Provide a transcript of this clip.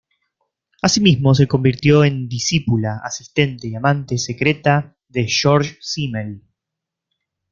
Asimismo, se convirtió en discípula, asistente y amante secreta de Georg Simmel.